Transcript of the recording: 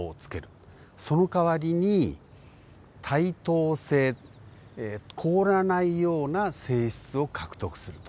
そのかわりに耐凍性凍らないような性質を獲得すると。